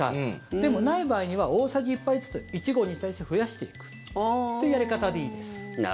でも、ない場合には大さじ１杯ずつ１合に対して増やしていくというやり方でいいです。